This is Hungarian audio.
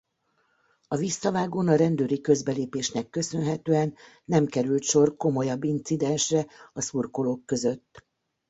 A visszavágón a rendőri közbelépésnek köszönhetően nem került sor komolyabb incidensre a szurkolók között.